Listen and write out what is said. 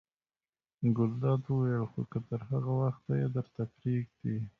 ګلداد وویل: خو که تر هغه وخته یې درته پرېږدي.